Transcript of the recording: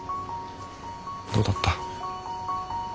どうだった？